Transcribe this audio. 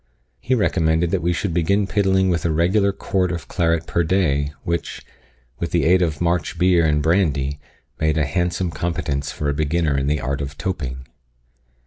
He recommended that we should begin piddling with a regular quart of claret per day, which, with the aid of March beer and brandy, made a handsome competence for a beginner in the art of toping.